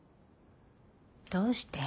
どうして？